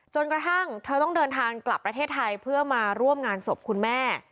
จนกระทั่งเธอต้องเดินทางกลับประเทศไทยเพื่อมาร่วมงานศพคุณแม่